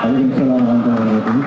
waalaikumsalam warahmatullahi wabarakatuh